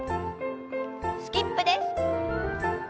スキップです。